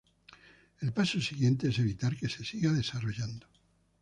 El paso siguiente es evitar que se siga desarrollando.